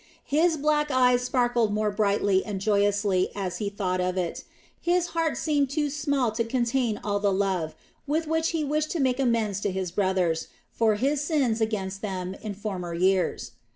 His black eyes sparkled more brightly and joyously as he thought of it. His heart seemed too small to contain all the love with which he wished to make amends to his brothers for his sins against them in former years.